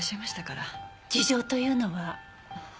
事情というのは？